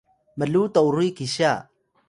mluw toruy kisya